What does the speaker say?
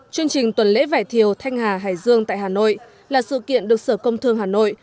chương trình tuần lễ vải thiều thanh hà hải dương tại hà nội là sự kiện được sở công thương hà nội